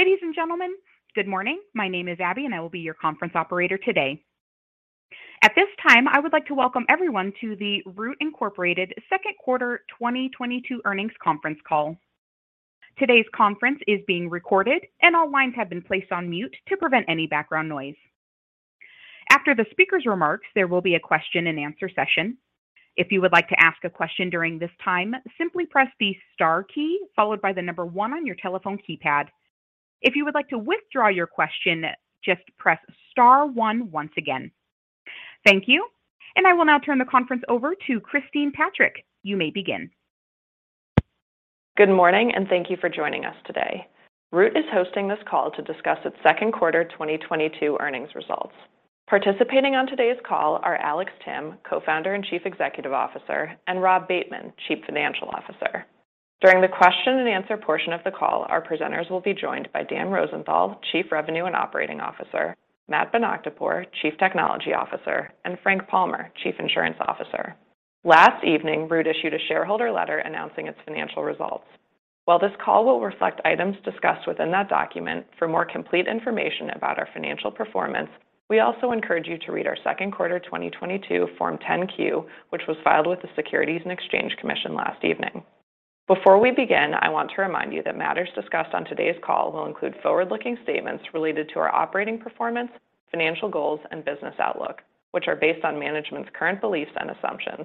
Ladies and gentlemen, good morning. My name is Abby, and I will be your conference operator today. At this time, I would like to welcome everyone to the Root, Inc. second quarter 2022 earnings conference call. Today's conference is being recorded, and all lines have been placed on mute to prevent any background noise. After the speaker's remarks, there will be a question-and-answer session. If you would like to ask a question during this time, simply press the Star key followed by the number one on your telephone keypad. If you would like to withdraw your question, just press Star one once again. Thank you, and I will now turn the conference over to Christine Patrick. You may begin. Good morning, and thank you for joining us today. Root is hosting this call to discuss its second quarter 2022 earnings results. Participating on today's call are Alex Timm, Co-founder and Chief Executive Officer, and Rob Bateman, Chief Financial Officer. During the question-and-answer portion of the call, our presenters will be joined by Dan Rosenthal, Chief Revenue and Operating Officer, Matt Bonakdarpour, Chief Technology Officer, and Frank Palmer, Chief Insurance Officer. Last evening, Root issued a shareholder letter announcing its financial results. While this call will reflect items discussed within that document, for more complete information about our financial performance, we also encourage you to read our second quarter 2022 Form 10-Q, which was filed with the Securities and Exchange Commission last evening. Before we begin, I want to remind you that matters discussed on today's call will include forward-looking statements related to our operating performance, financial goals, and business outlook, which are based on management's current beliefs and assumptions.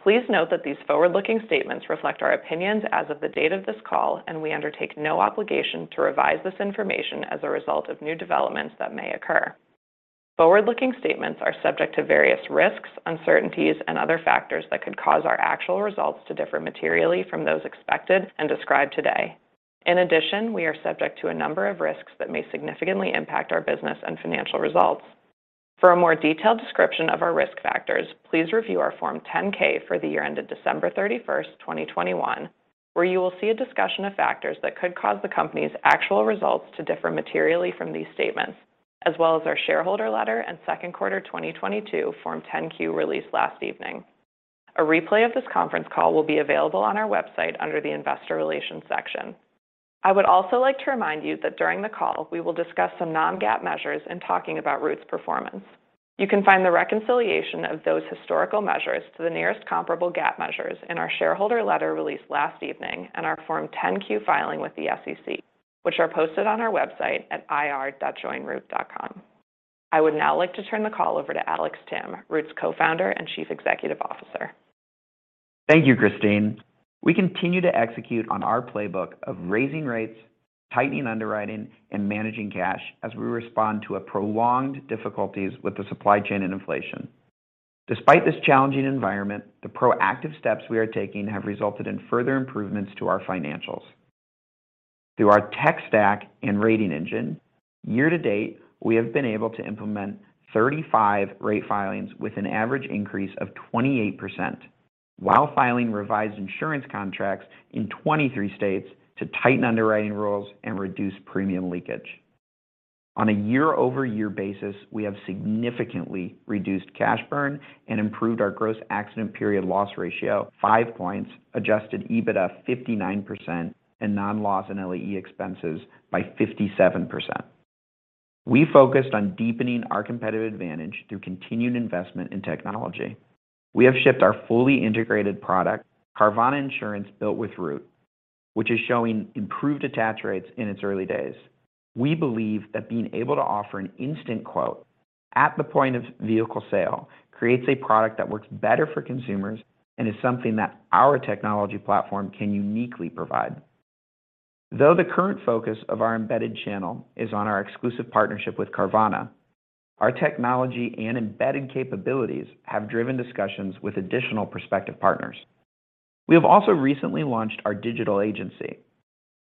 Please note that these forward-looking statements reflect our opinions as of the date of this call, and we undertake no obligation to revise this information as a result of new developments that may occur. Forward-looking statements are subject to various risks, uncertainties, and other factors that could cause our actual results to differ materially from those expected and described today. In addition, we are subject to a number of risks that may significantly impact our business and financial results. For a more detailed description of our risk factors, please review our Form 10-K for the year ended December 31st, 2021, where you will see a discussion of factors that could cause the company's actual results to differ materially from these statements, as well as our shareholder letter and second quarter 2022 Form 10-Q released last evening. A replay of this conference call will be available on our website under the Investor Relations section. I would also like to remind you that during the call, we will discuss some non-GAAP measures in talking about Root's performance. You can find the reconciliation of those historical measures to the nearest comparable GAAP measures in our shareholder letter released last evening and our Form 10-Q filing with the SEC, which are posted on our website at ir.joinroot.com. I would now like to turn the call over to Alex Timm, Root's Co-founder and Chief Executive Officer. Thank you, Christine. We continue to execute on our playbook of raising rates, tightening underwriting, and managing cash as we respond to prolonged difficulties with the supply chain and inflation. Despite this challenging environment, the proactive steps we are taking have resulted in further improvements to our financials. Through our tech stack and rating engine, year to date, we have been able to implement 35 rate filings with an average increase of 28% while filing revised insurance contracts in 23 states to tighten underwriting rules and reduce premium leakage. On a year-over-year basis, we have significantly reduced cash burn and improved our gross accident period loss ratio five points, adjusted EBITDA 59% and loss and LAE expenses by 57%. We focused on deepening our competitive advantage through continued investment in technology. We have shipped our fully integrated product, Carvana Insurance Built with Root, which is showing improved attach rates in its early days. We believe that being able to offer an instant quote at the point of vehicle sale creates a product that works better for consumers and is something that our technology platform can uniquely provide. Though the current focus of our embedded channel is on our exclusive partnership with Carvana, our technology and embedded capabilities have driven discussions with additional prospective partners. We have also recently launched our digital agency.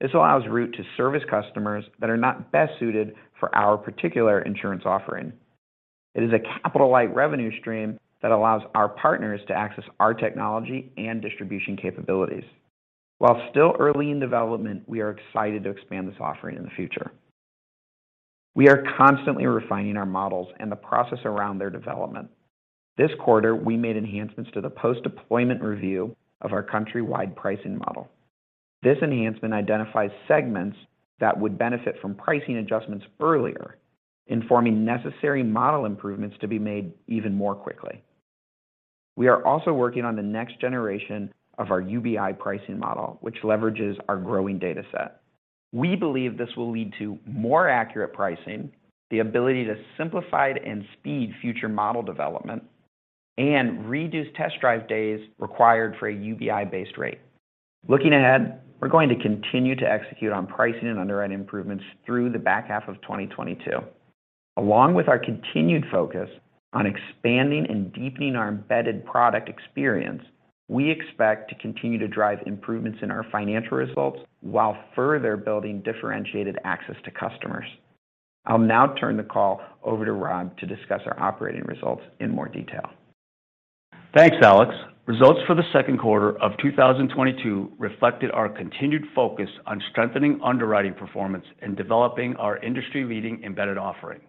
This allows Root to service customers that are not best suited for our particular insurance offering. It is a capital-light revenue stream that allows our partners to access our technology and distribution capabilities. While still early in development, we are excited to expand this offering in the future. We are constantly refining our models and the process around their development. This quarter, we made enhancements to the post-deployment review of our countrywide pricing model. This enhancement identifies segments that would benefit from pricing adjustments earlier, informing necessary model improvements to be made even more quickly. We are also working on the next generation of our UBI pricing model, which leverages our growing data set. We believe this will lead to more accurate pricing, the ability to simplify and speed future model development, and reduce test drive days required for a UBI-based rate. Looking ahead, we're going to continue to execute on pricing and underwriting improvements through the back half of 2022. Along with our continued focus on expanding and deepening our embedded product experience, we expect to continue to drive improvements in our financial results while further building differentiated access to customers. I'll now turn the call over to Rob to discuss our operating results in more detail. Thanks, Alex. Results for the second quarter of 2022 reflected our continued focus on strengthening underwriting performance and developing our industry-leading embedded offering.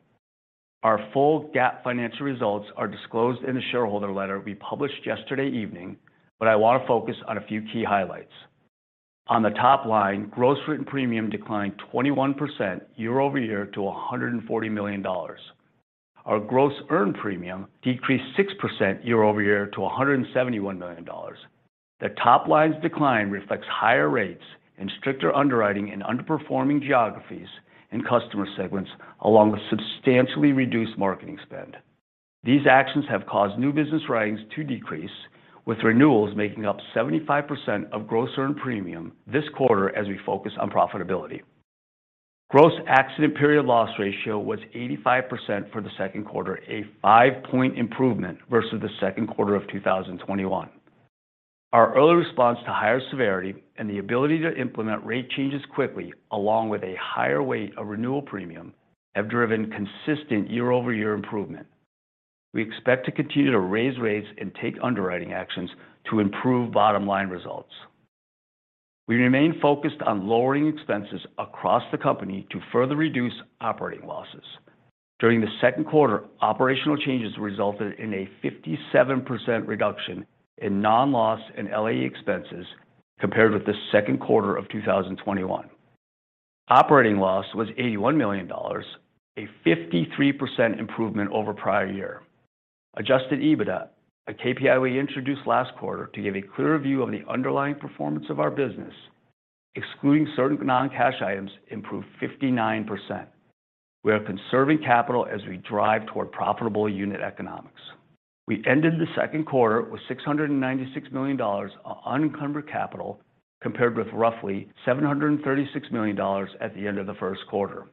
Our full GAAP financial results are disclosed in the shareholder letter we published yesterday evening, but I want to focus on a few key highlights. On the top line, gross written premium declined 21% year-over-year to $140 million. Our gross earned premium decreased 6% year-over-year to $171 million. The top line's decline reflects higher rates and stricter underwriting in underperforming geographies and customer segments, along with substantially reduced marketing spend. These actions have caused new business writings to decrease, with renewals making up 75% of gross earned premium this quarter as we focus on profitability. Gross accident period loss ratio was 85% for the second quarter, a five point improvement versus the second quarter of 2021. Our early response to higher severity and the ability to implement rate changes quickly, along with a higher weight of renewal premium, have driven consistent year-over-year improvement. We expect to continue to raise rates and take underwriting actions to improve bottom-line results. We remain focused on lowering expenses across the company to further reduce operating losses. During the second quarter, operational changes resulted in a 57% reduction in non-loss and LAE expenses compared with the second quarter of 2021. Operating loss was $81 million, a 53% improvement over prior year. Adjusted EBITDA, a KPI we introduced last quarter to give a clearer view of the underlying performance of our business, excluding certain non-cash items, improved 59%. We are conserving capital as we drive toward profitable unit economics. We ended the second quarter with $696 million of unencumbered capital, compared with roughly $736 million at the end of the first quarter.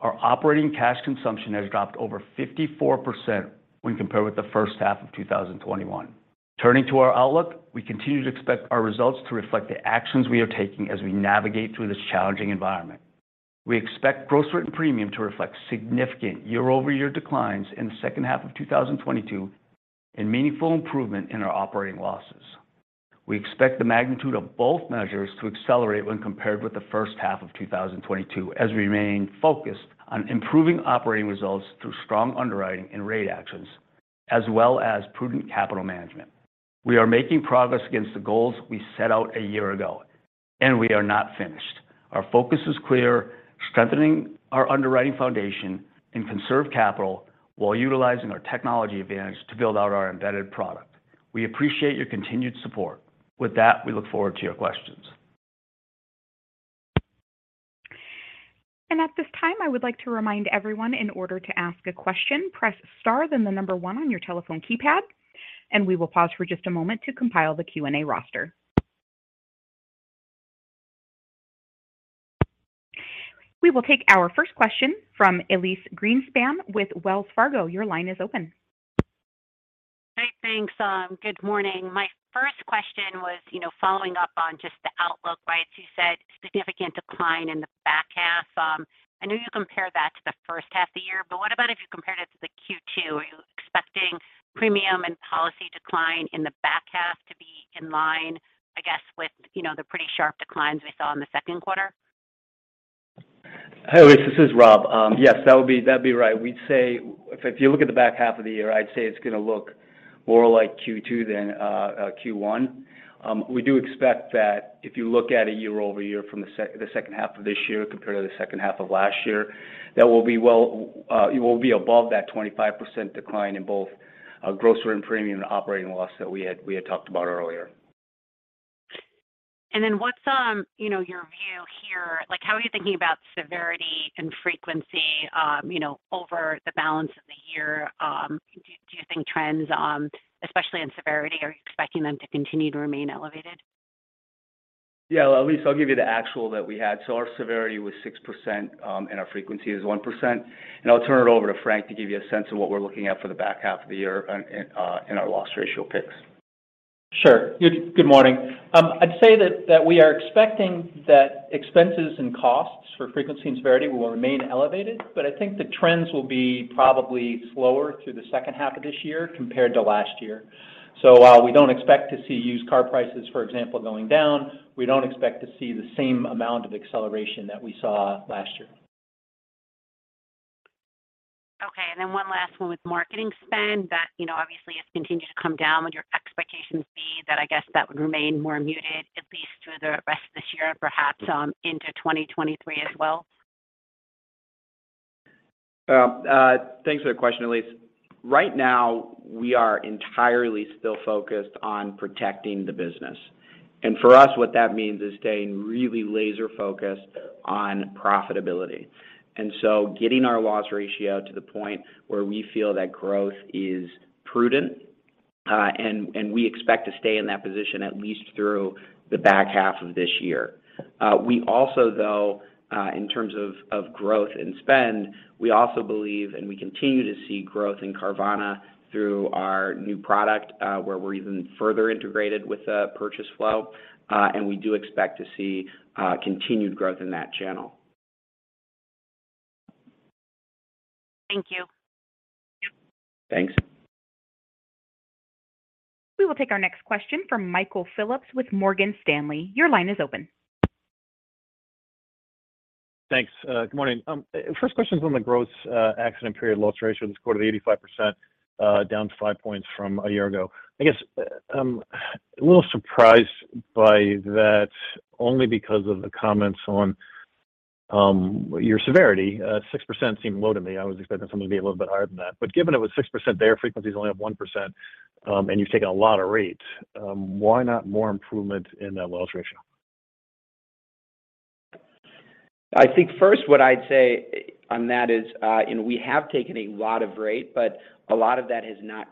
Our operating cash consumption has dropped over 54% when compared with the first half of 2021. Turning to our outlook, we continue to expect our results to reflect the actions we are taking as we navigate through this challenging environment. We expect gross written premium to reflect significant year-over-year declines in the second half of 2022 and meaningful improvement in our operating losses. We expect the magnitude of both measures to accelerate when compared with the first half of 2022, as we remain focused on improving operating results through strong underwriting and rate actions, as well as prudent capital management. We are making progress against the goals we set out a year ago, and we are not finished. Our focus is clear, strengthening our underwriting foundation and conserve capital while utilizing our technology advantage to build out our embedded product. We appreciate your continued support. With that, we look forward to your questions. At this time, I would like to remind everyone in order to ask a question, press star then 1 on your telephone keypad, and we will pause for just a moment to compile the Q&A roster. We will take our first question from Elyse Greenspan with Wells Fargo. Your line is open. Great. Thanks. Good morning. My first question was, you know, following up on just the outlook, right? You said significant decline in the back half. I know you compare that to the first half of the year, but what about if you compared it to the Q2? Are you expecting premium and policy decline in the back half to be in line, I guess, with, you know, the pretty sharp declines we saw in the second quarter? Hi, Elyse. This is Rob. Yes, that would be right. We'd say if you look at the back half of the year, I'd say it's gonna look more like Q2 than Q1. We do expect that if you look at it year-over-year from the second half of this year compared to the second half of last year, that we'll be well. It will be above that 25% decline in both gross written premium and operating loss that we had talked about earlier. What's your view here? Like, how are you thinking about severity and frequency, you know, over the balance of the year? Do you think trends, especially in severity, are you expecting them to continue to remain elevated? Yeah. Well, Elyse, I'll give you the actual that we had. Our severity was 6%, and our frequency is 1%. I'll turn it over to Frank to give you a sense of what we're looking at for the back half of the year and our loss ratio picks. Sure. Good morning. I'd say that we are expecting that expenses and costs for frequency and severity will remain elevated, but I think the trends will be probably slower through the second half of this year compared to last year. While we don't expect to see used car prices, for example, going down, we don't expect to see the same amount of acceleration that we saw last year. Okay. One last one with marketing spend. That, you know, obviously has continued to come down. Would your expectations be that, I guess, that would remain more muted at least through the rest of this year and perhaps into 2023 as well? Thanks for the question, Elyse. Right now, we are entirely still focused on protecting the business. For us, what that means is staying really laser focused on profitability. Getting our loss ratio to the point where we feel that growth is prudent, and we expect to stay in that position at least through the back half of this year. We also, though, in terms of growth and spend, we also believe, and we continue to see growth in Carvana through our new product, where we're even further integrated with the purchase flow. We do expect to see continued growth in that channel. Thank you. Thanks. We will take our next question from Michael Phillips with Morgan Stanley. Your line is open. Thanks. Good morning. First question is on the gross accident period loss ratio this quarter, 85%, down five points from a year ago. I guess a little surprised by that only because of the comments on your severity. Six percent seemed low to me. I was expecting something to be a little bit higher than that. Given it was 6% there, frequencies only up 1%, and you've taken a lot of rates, why not more improvement in that loss ratio? I think first what I'd say on that is, you know, we have taken a lot of rate, but a lot of that has not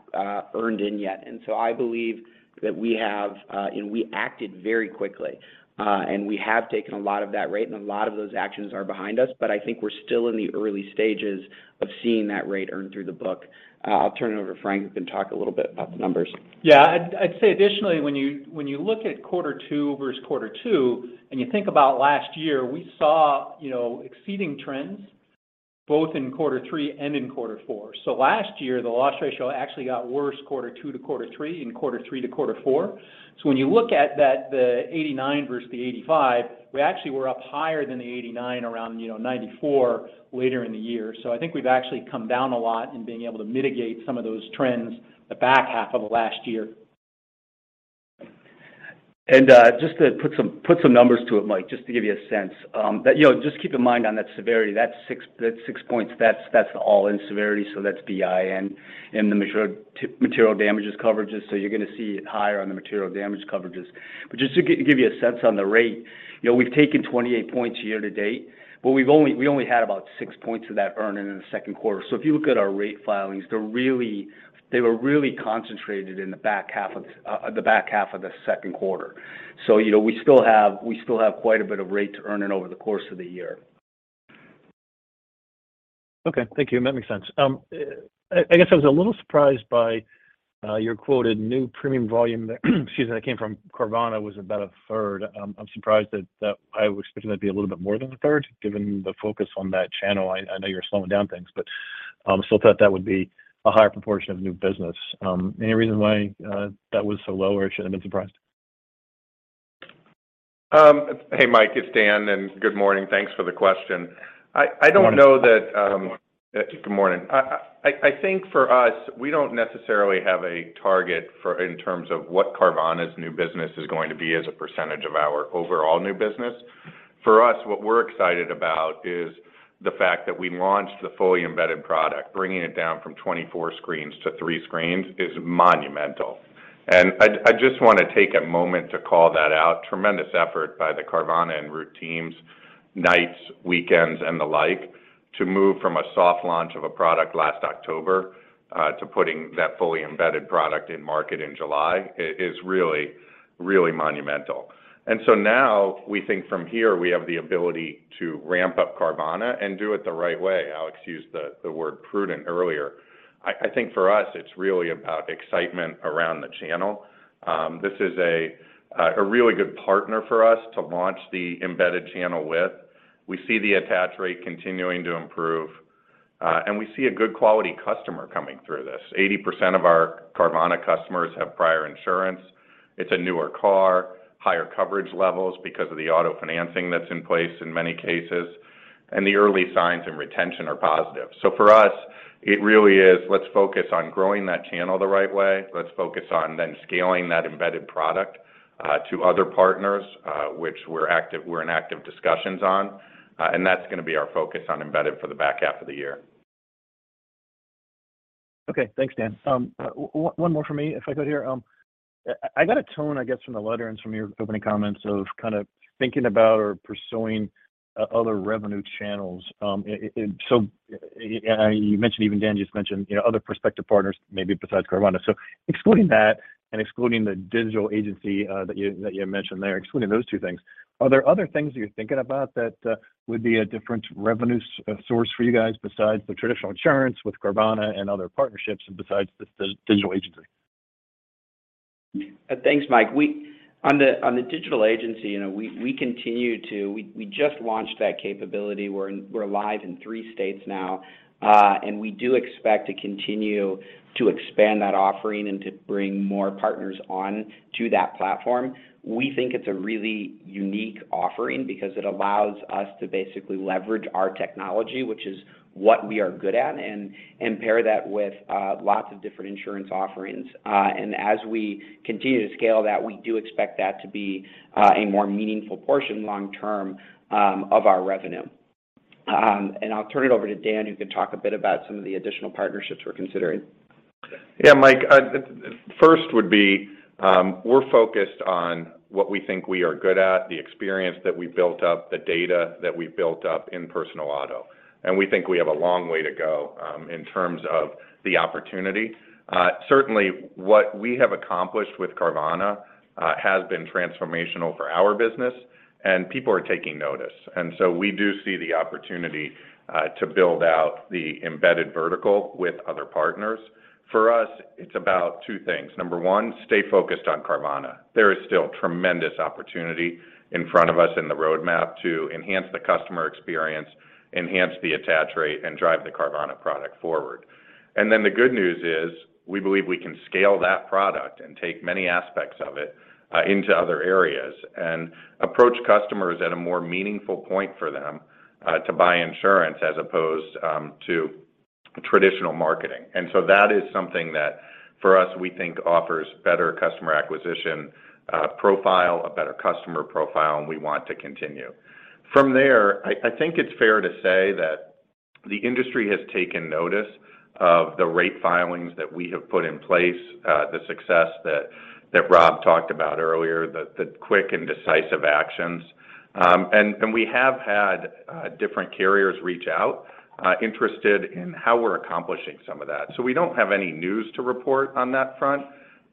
earned in yet. I believe that we have, you know, we acted very quickly, and we have taken a lot of that rate, and a lot of those actions are behind us. I think we're still in the early stages of seeing that rate earn through the book. I'll turn it over to Frank, who can talk a little bit about the numbers. Yeah. I'd say additionally, when you look at quarter two versus quarter two, and you think about last year, we saw, you know, exceeding trends both in quarter three and in quarter four. Last year, the loss ratio actually got worse quarter two to quarter three and quarter three to quarter four. When you look at that, the 89% versus the 85%, we actually were up higher than the 89% around, you know, 94% later in the year. I think we've actually come down a lot in being able to mitigate some of those trends the back half of last year. Just to put some numbers to it, Mike, just to give you a sense that you know, just keep in mind on that severity, that 6 points, that's all in severity, so that's BI and the material damages coverages. You're going to see it higher on the material damage coverages. But just to give you a sense on the rate, you know, we've taken 28 points year-to-date, but we've only had about 6 points of that earn in in the second quarter. So if you look at our rate filings, they were really concentrated in the back half of the second quarter. You know, we still have quite a bit of rate to earn in over the course of the year. Okay. Thank you. That makes sense. I guess I was a little surprised by your quoted new premium volume that came from Carvana was about a third. I'm surprised that I was expecting that to be a little bit more than a third, given the focus on that channel. I know you're slowing down things, but still thought that would be a higher proportion of new business. Any reason why that was so low, or should I have been surprised? Hey, Mike, it's Dan, and good morning. Thanks for the question. Good morning. Good morning. I think for us, we don't necessarily have a target for in terms of what Carvana's new business is going to be as a percentage of our overall new business. For us, what we're excited about is the fact that we launched the fully embedded product, bringing it down from 24 screens to 3 screens is monumental. I just want to take a moment to call that out. Tremendous effort by the Carvana and Root teams, nights, weekends, and the like, to move from a soft launch of a product last October to putting that fully embedded product in market in July is really, really monumental. Now we think from here we have the ability to ramp up Carvana and do it the right way. Alex used the word prudent earlier. I think for us it's really about excitement around the channel. This is a really good partner for us to launch the embedded channel with. We see the attach rate continuing to improve, and we see a good quality customer coming through this. 80% of our Carvana customers have prior insurance. It's a newer car, higher coverage levels because of the auto financing that's in place in many cases, and the early signs in retention are positive. For us, it really is, let's focus on growing that channel the right way. Let's focus on then scaling that embedded product to other partners, which we're in active discussions on. That's going to be our focus on embedded for the back half of the year. Okay. Thanks, Dan. One more for me if I could here. I got a tone, I guess, from the letter and from your opening comments of kind of thinking about or pursuing other revenue channels. And so you mentioned, even Dan just mentioned, you know, other prospective partners maybe besides Carvana. Excluding that and excluding the digital agency that you mentioned there, excluding those two things, are there other things you're thinking about that would be a different revenue source for you guys besides the traditional insurance with Carvana and other partnerships and besides this digital agency? Thanks, Mike. On the digital agency, you know, we just launched that capability. We're live in three states now, and we do expect to continue to expand that offering and to bring more partners on to that platform. We think it's a really unique offering because it allows us to basically leverage our technology, which is what we are good at, and pair that with lots of different insurance offerings. As we continue to scale that, we do expect that to be a more meaningful portion long term of our revenue. I'll turn it over to Dan, who can talk a bit about some of the additional partnerships we're considering. Yeah, Mike, first would be, we're focused on what we think we are good at, the experience that we built up, the data that we built up in personal auto, and we think we have a long way to go in terms of the opportunity. Certainly what we have accomplished with Carvana has been transformational for our business and people are taking notice. We do see the opportunity to build out the embedded vertical with other partners. For us, it's about two things. Number one, stay focused on Carvana. There is still tremendous opportunity in front of us in the roadmap to enhance the customer experience, enhance the attach rate, and drive the Carvana product forward. Then the good news is we believe we can scale that product and take many aspects of it, into other areas and approach customers at a more meaningful point for them, to buy insurance as opposed, to traditional marketing. That is something that for us, we think offers better customer acquisition profile, a better customer profile, and we want to continue. From there, I think it's fair to say that the industry has taken notice of the rate filings that we have put in place, the success that Rob talked about earlier, the quick and decisive actions. We have had different carriers reach out, interested in how we're accomplishing some of that. We don't have any news to report on that front,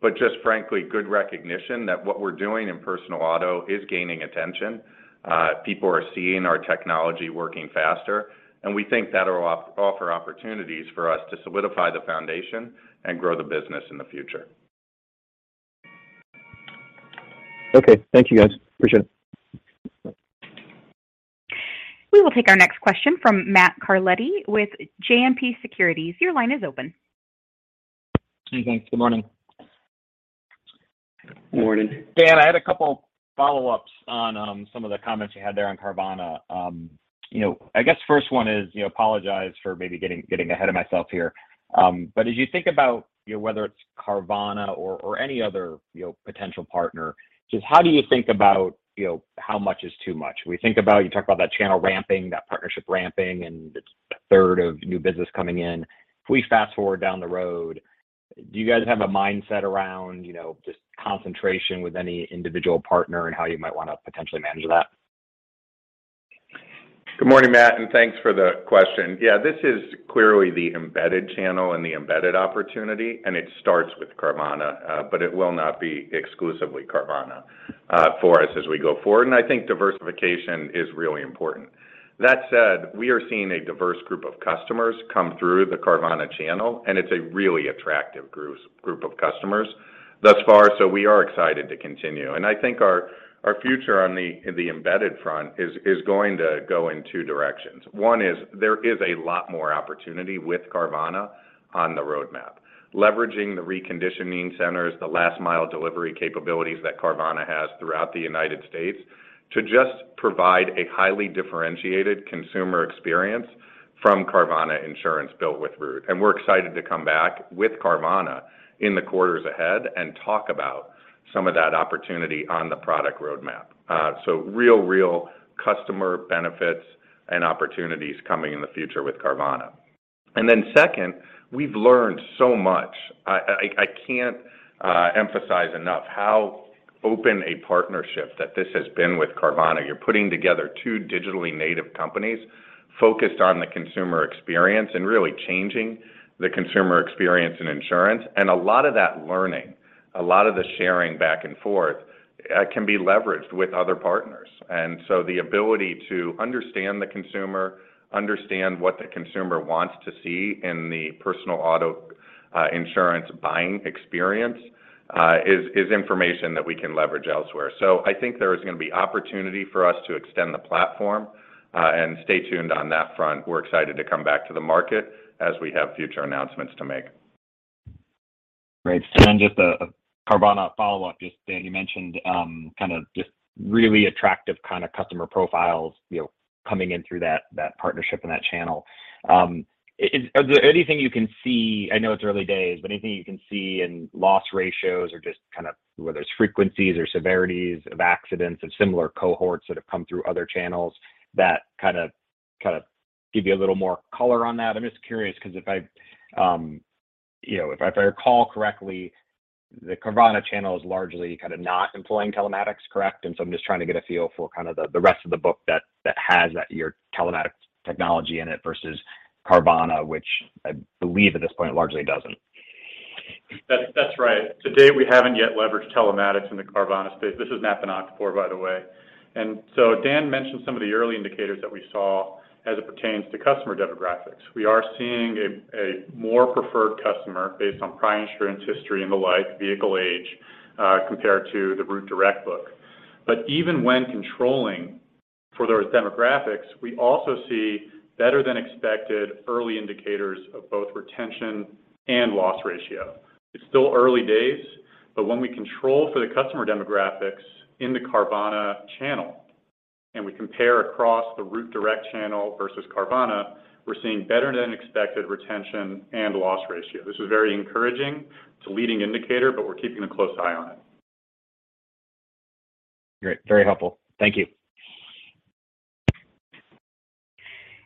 but just frankly, good recognition that what we're doing in personal auto is gaining attention. People are seeing our technology working faster, and we think that'll offer opportunities for us to solidify the foundation and grow the business in the future. Okay. Thank you guys. Appreciate it. We will take our next question from Matt Carletti with JMP Securities. Your line is open. Hey, thanks. Good morning. Morning. Dan, I had a couple follow-ups on some of the comments you had there on Carvana. You know, I guess first one is, you know, apologize for maybe getting ahead of myself here. But as you think about, you know, whether it's Carvana or any other, you know, potential partner, just how do you think about, you know, how much is too much? When we think about, you talked about that channel ramping, that partnership ramping, and it's a third of new business coming in. If we fast-forward down the road, do you guys have a mindset around, you know, just concentration with any individual partner and how you might wanna potentially manage that? Good morning, Matt, and thanks for the question. Yeah, this is clearly the embedded channel and the embedded opportunity, and it starts with Carvana, but it will not be exclusively Carvana, for us as we go forward. I think diversification is really important. That said, we are seeing a diverse group of customers come through the Carvana channel, and it's a really attractive group of customers thus far, so we are excited to continue. I think our future in the embedded front is going to go in two directions. One is there is a lot more opportunity with Carvana on the roadmap. Leveraging the reconditioning centers, the last mile delivery capabilities that Carvana has throughout the United States to just provide a highly differentiated consumer experience from Carvana Insurance Built with Root. We're excited to come back with Carvana in the quarters ahead and talk about some of that opportunity on the product roadmap. Real customer benefits and opportunities coming in the future with Carvana. Second, we've learned so much. I can't emphasize enough how open a partnership that this has been with Carvana. You're putting together two digitally native companies focused on the consumer experience and really changing the consumer experience in insurance. A lot of that learning, a lot of the sharing back and forth, can be leveraged with other partners. The ability to understand the consumer, understand what the consumer wants to see in the personal auto insurance buying experience, is information that we can leverage elsewhere. I think there is gonna be opportunity for us to extend the platform, and stay tuned on that front. We're excited to come back to the market as we have future announcements to make. Great. Just a Carvana follow-up. Just, Dan, you mentioned, kind of just really attractive kind of customer profiles, you know, coming in through that partnership and that channel. Are there anything you can see, I know it's early days, but anything you can see in loss ratios or just kind of whether it's frequencies or severities of accidents of similar cohorts that have come through other channels that kind of give you a little more color on that? I'm just curious 'cause if I, you know, if I recall correctly, the Carvana channel is largely kind of not employing telematics, correct? I'm just trying to get a feel for kind of the rest of the book that has your telematics technology in it versus Carvana, which I believe at this point largely doesn't. That's right. To date, we haven't yet leveraged telematics in the Carvana space. This is Matt Bonakdarpour, by the way. Dan mentioned some of the early indicators that we saw as it pertains to customer demographics. We are seeing a more preferred customer based on prior insurance history and the like, vehicle age, compared to the Root direct book. Even when controlling for those demographics, we also see better than expected early indicators of both retention and loss ratio. It's still early days, but when we control for the customer demographics in the Carvana channel and we compare across the Root direct channel versus Carvana, we're seeing better than expected retention and loss ratio. This is very encouraging. It's a leading indicator, but we're keeping a close eye on it. Great. Very helpful. Thank you.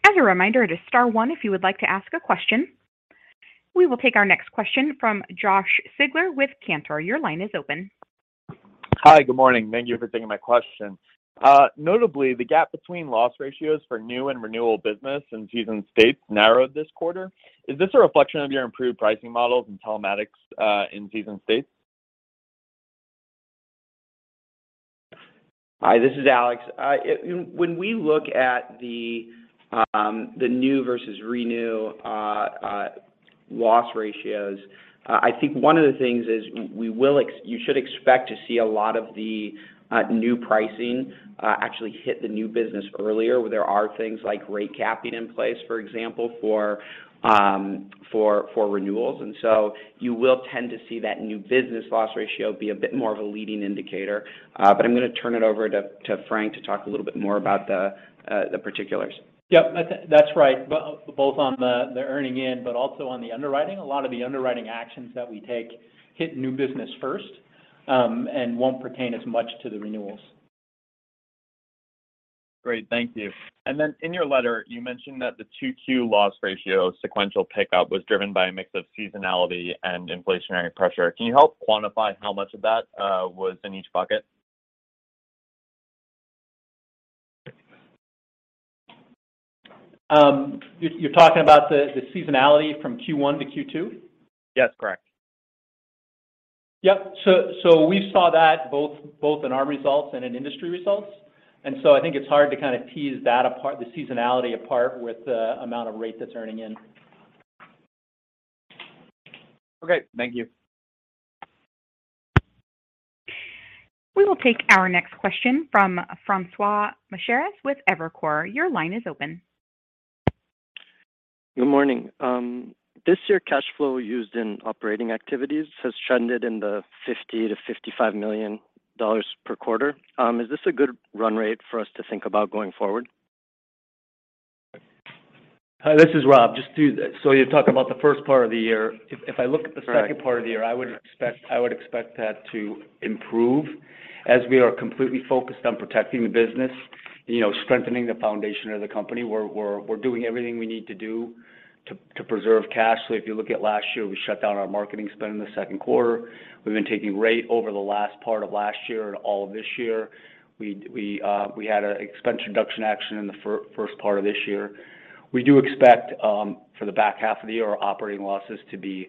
As a reminder, it is star one if you would like to ask a question. We will take our next question from Josh Shanker with Cantor. Your line is open. Hi. Good morning. Thank you for taking my question. Notably, the gap between loss ratios for new and renewal business in seasoned states narrowed this quarter. Is this a reflection of your improved pricing models and telematics in seasoned states? Hi, this is Alex. When we look at the new versus renew loss ratios, I think one of the things is you should expect to see a lot of the new pricing actually hit the new business earlier, where there are things like rate capping in place, for example, for renewals. You will tend to see that new business loss ratio be a bit more of a leading indicator. I'm gonna turn it over to Frank to talk a little bit more about the particulars. Yep. That's right, both on the earning end, but also on the underwriting. A lot of the underwriting actions that we take hit new business first, and won't pertain as much to the renewals. Great. Thank you. Then in your letter, you mentioned that the 2Q loss ratio sequential pickup was driven by a mix of seasonality and inflationary pressure. Can you help quantify how much of that was in each bucket? You're talking about the seasonality from Q1 to Q2? Yes. Correct. Yep. We saw that both in our results and in industry results. I think it's hard to kind of tease that apart, the seasonality apart with the amount of rate that's earning in. Okay. Thank you. We will take our next question from Francois Maisonrouge with Evercore. Your line is open. Good morning. This year cash flow used in operating activities has trended in the $50 million-$55 million per quarter. Is this a good run rate for us to think about going forward? Hi, this is Rob. You talk about the first part of the year. If I look at the second part of the year, I would expect that to improve as we are completely focused on protecting the business, you know, strengthening the foundation of the company. We're doing everything we need to do to preserve cash. If you look at last year, we shut down our marketing spend in the second quarter. We've been taking rate over the last part of last year and all of this year. We had a expense reduction action in the first part of this year. We do expect for the back half of the year, our operating losses to be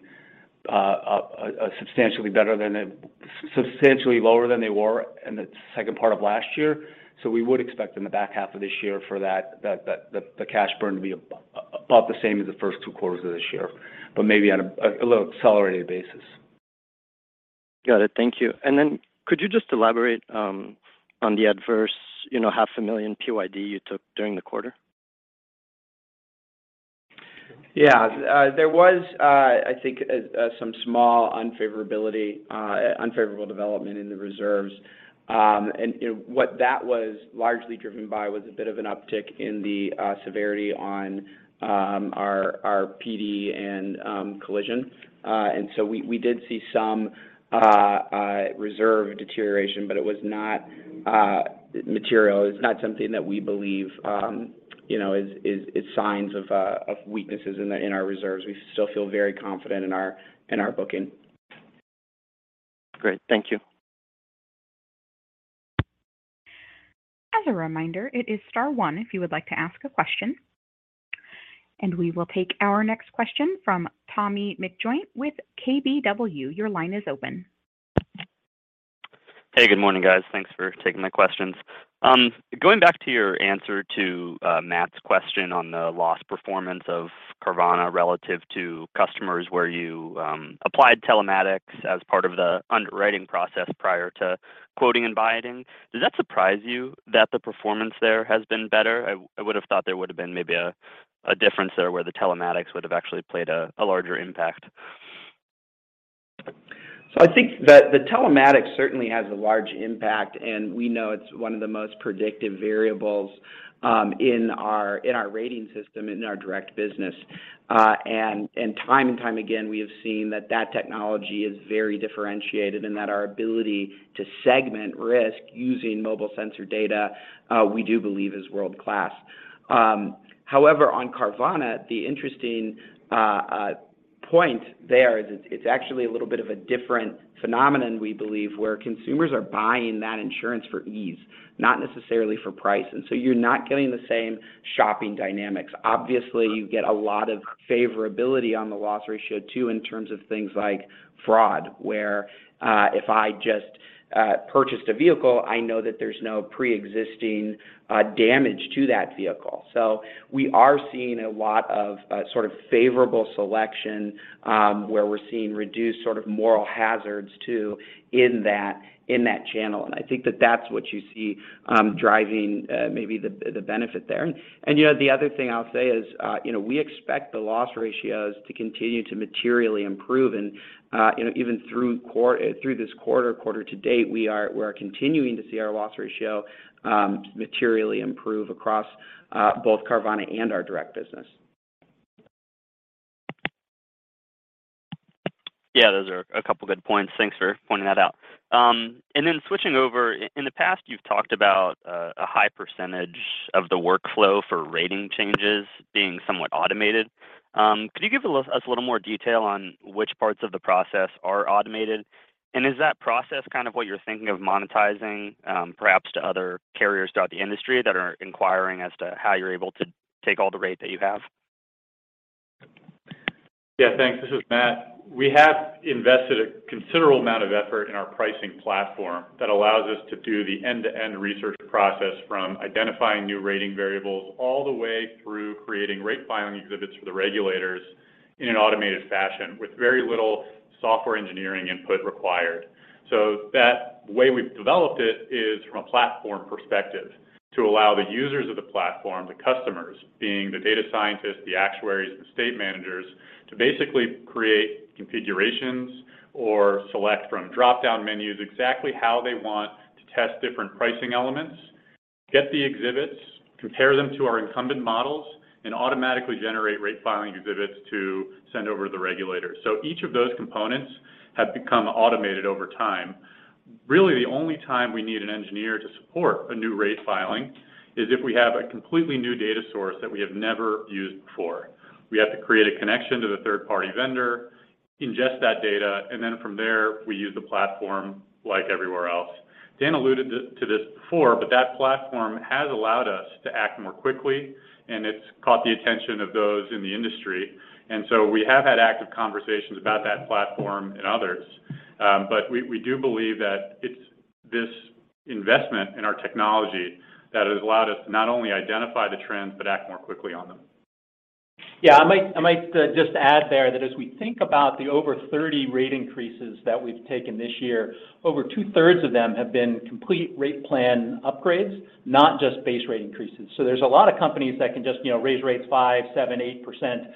substantially lower than they were in the second part of last year. We would expect in the back half of this year for that the cash burn to be about the same as the first two quarters of this year, but maybe on a little accelerated basis. Got it. Thank you. Could you just elaborate, you know, on the adverse half a million PYD you took during the quarter? Yeah. There was, I think, some small unfavorability, unfavorable development in the reserves. You know, what that was largely driven by was a bit of an uptick in the severity on our PD and collision. We did see some reserve deterioration, but it was not material. It's not something that we believe, you know, is signs of weaknesses in our reserves. We still feel very confident in our booking. Great. Thank you. As a reminder, it is star one if you would like to ask a question. We will take our next question from Tommy McJoynt with KBW. Your line is open. Hey, good morning, guys. Thanks for taking my questions. Going back to your answer to Matt's question on the loss performance of Carvana relative to customers where you applied telematics as part of the underwriting process prior to quoting and buying, does that surprise you that the performance there has been better? I would've thought there would've been maybe a difference there where the telematics would've actually played a larger impact. I think telematics certainly has a large impact, and we know it's one of the most predictive variables in our rating system in our direct business. Time and time again, we have seen that technology is very differentiated and that our ability to segment risk using mobile sensor data, we do believe is world-class. However, on Carvana, the interesting point there is it's actually a little bit of a different phenomenon, we believe, where consumers are buying that insurance for ease, not necessarily for price. You're not getting the same shopping dynamics. Obviously, you get a lot of favorability on the loss ratio too in terms of things like fraud, where if I just purchased a vehicle, I know that there's no preexisting damage to that vehicle. We are seeing a lot of sort of favorable selection, where we're seeing reduced sort of moral hazards too in that channel. I think that that's what you see driving maybe the benefit there. You know, the other thing I'll say is, you know, we expect the loss ratios to continue to materially improve. You know, even through this quarter to date, we are continuing to see our loss ratio materially improve across both Carvana and our direct business. Yeah, those are a couple good points. Thanks for pointing that out. In the past, you've talked about a high percentage of the workflow for rating changes being somewhat automated. Could you give us a little more detail on which parts of the process are automated? Is that process kind of what you're thinking of monetizing, perhaps to other carriers throughout the industry that are inquiring as to how you're able to take all the rate that you have? Yeah, thanks. This is Matt. We have invested a considerable amount of effort in our pricing platform that allows us to do the end-to-end research process from identifying new rating variables all the way through creating rate filing exhibits for the regulators in an automated fashion with very little software engineering input required. That way we've developed it is from a platform perspective to allow the users of the platform, the customers, being the data scientists, the actuaries, the state managers, to basically create configurations or select from dropdown menus exactly how they want to test different pricing elements, get the exhibits, compare them to our incumbent models, and automatically generate rate filing exhibits to send over to the regulators. Each of those components have become automated over time. Really, the only time we need an engineer to support a new rate filing is if we have a completely new data source that we have never used before. We have to create a connection to the third-party vendor, ingest that data, and then from there, we use the platform like everywhere else. Dan alluded to this before, but that platform has allowed us to act more quickly, and it's caught the attention of those in the industry. We have had active conversations about that platform and others. We do believe that it's this investment in our technology that has allowed us to not only identify the trends but act more quickly on them. Yeah. I might just add there that as we think about the over 30 rate increases that we've taken this year, over two-thirds of them have been complete rate plan upgrades, not just base rate increases. There's a lot of companies that can just raise rates 5, 7, 8%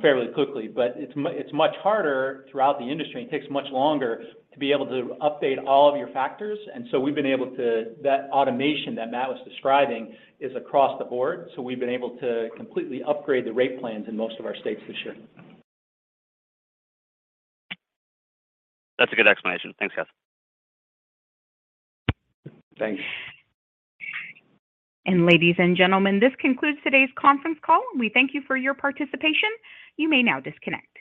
fairly quickly. But it's much harder throughout the industry, and it takes much longer to be able to update all of your factors. We've been able to. That automation that Matt was describing is across the board, so we've been able to completely upgrade the rate plans in most of our states this year. That's a good explanation. Thanks, guys. Thanks. Ladies and gentlemen, this concludes today's conference call. We thank you for your participation. You may now disconnect.